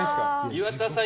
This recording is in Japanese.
岩田さん